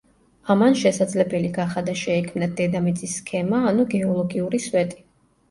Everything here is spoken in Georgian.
ამან შესაძლებელი გახადა შეექმნათ დედამიწის სქემა, ანუ გეოლოგიური სვეტი.